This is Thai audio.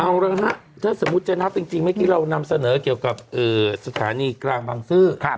เอาแล้วนะครับถ้าสมมุติจะนับจริงไม่ที่เรานำเสนอเกี่ยวกับสถานีกลางบังซื้อ